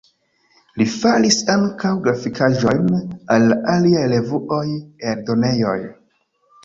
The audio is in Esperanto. Li faris ankaŭ grafikaĵojn al aliaj revuoj, eldonejoj.